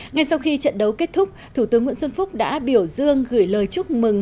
ngay sau khi trận đấu kết thúc thủ tướng nguyễn xuân phúc đã biểu dương gửi lời chúc mừng